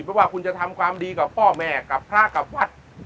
เพราะว่าคุณจะทำความดีกับพ่อแม่กับพระกับวัด